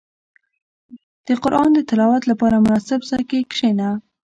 • د قران د تلاوت لپاره، مناسب ځای کې کښېنه.